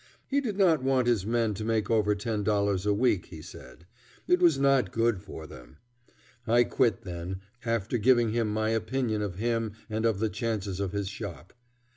He did not want his men to make over $10 a week, he said; it was not good for them. I quit then, after giving him my opinion of him and of the chances of his shop.